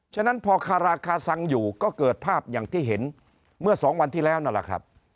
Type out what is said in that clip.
ฉะนั้นพอคาราคาซังอยู่ก็เกิดภาพอย่างที่เห็นเมื่อสองวันที่แล้วนั่นแหละครับ